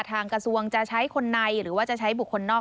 ทางกระทรวงจะใช้คนในหรือว่าจะใช้บุคคลนอก